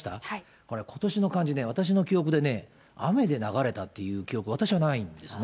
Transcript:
これ、今年の漢字、私の記憶でね、雨で流れたっていう記憶、私はないんですね。